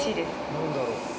何だろう。